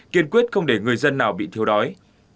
kiên quyết không để người dân nào bị thiếu đói